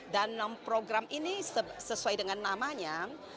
program ini sesuai dengan namanya